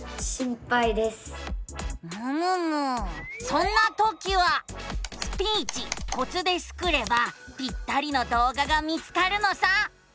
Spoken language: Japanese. そんなときは「スピーチコツ」でスクればぴったりの動画が見つかるのさ。